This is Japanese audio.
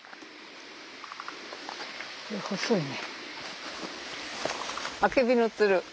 これ細いね。